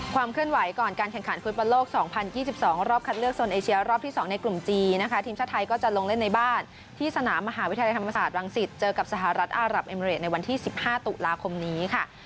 เคลื่อนไหวก่อนการแข่งขันฟุตบอลโลก๒๐๒๒รอบคัดเลือกโซนเอเชียรอบที่๒ในกลุ่มจีนนะคะทีมชาติไทยก็จะลงเล่นในบ้านที่สนามมหาวิทยาลัยธรรมศาสตรังสิตเจอกับสหรัฐอารับเอมิเรดในวันที่๑๕ตุลาคมนี้ค่ะ